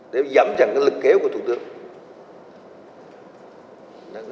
để giảm chẳng cái lực kéo của thủ tướng